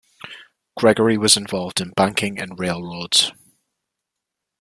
Gregory was involved in banking and railroads.